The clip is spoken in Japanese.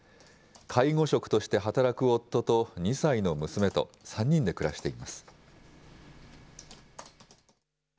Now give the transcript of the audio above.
介護職として働く夫と２歳の娘と３人で暮らしています。